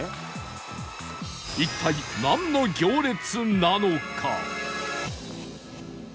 一体なんの行列なのか？